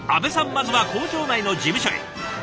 まずは工場内の事務所へ。